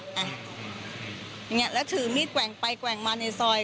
อย่างงี้และถือมีดแกว่งไปแกว่งมาในซอย